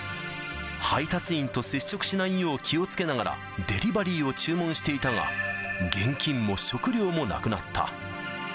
配達員と接触しないよう気をつけながら、デリバリーを注文していたが、現金も食料もなくなった。